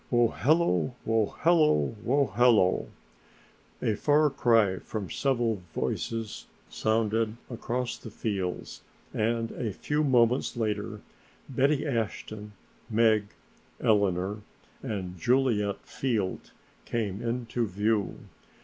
"Wohelo, Wohelo, Wohelo!" A far cry from several voices sounded across the fields and a few moments later Betty Ashton, Meg, Eleanor and Juliet Field came into view.